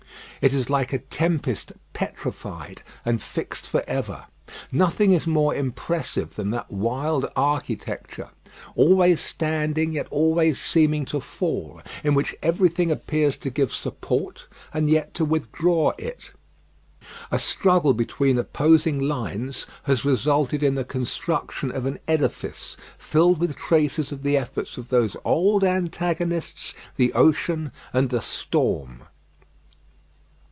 It is like a tempest petrified and fixed for ever. Nothing is more impressive than that wild architecture; always standing, yet always seeming to fall; in which everything appears to give support, and yet to withdraw it. A struggle between opposing lines has resulted in the construction of an edifice, filled with traces of the efforts of those old antagonists, the ocean and the storm.